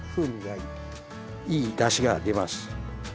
いいだしが出ます。